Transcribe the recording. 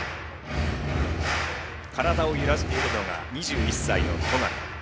体を揺らしているのが２１歳の戸上。